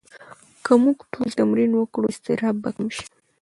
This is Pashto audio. که موږ ټول تمرین وکړو، اضطراب به کم شي.